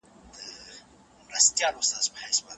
هارټمن وايي: هوا دومره خطرناک نه دی.